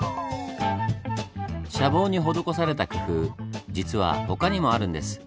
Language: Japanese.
舎房に施された工夫実は他にもあるんです。